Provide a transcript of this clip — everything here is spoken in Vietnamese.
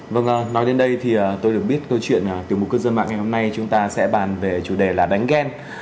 vâng nói đến đây thì tôi được biết câu chuyện từ một cư dân mạng ngày hôm nay chúng ta sẽ bàn về chủ đề là đánh ghen